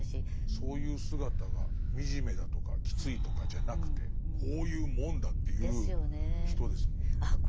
そういう姿が惨めだとかきついとかじゃなくてこういうもんだっていう人ですもんね。ですよね。